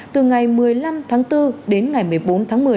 từ ngày một mươi năm tháng bốn đến ngày một mươi bốn tháng một mươi